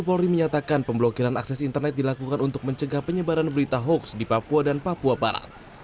polri menyatakan pemblokiran akses internet dilakukan untuk mencegah penyebaran berita hoax di papua dan papua barat